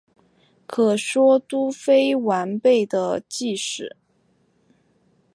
可说都非完备的晋史。